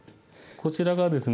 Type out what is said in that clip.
こちらがですね